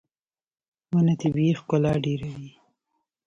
• ونه طبیعي ښکلا ډېروي.